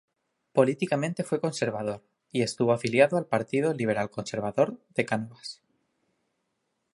Políticamente fue conservador, y estuvo afiliado al Partido Liberal-Conservador de Cánovas.